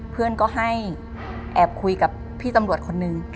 เพื่อนก็ให้แอบคุยกับพี่ตำรวจคนนึง